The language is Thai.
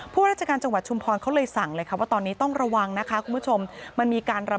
ผู้ราชการจังหวัดชุมพรเขาเลยสั่งเลยค่ะว่าตอนนี้ต้องระวังนะคะคุณผู้ชมมันมีการระ